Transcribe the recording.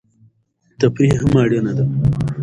تفریح هم اړینه ده.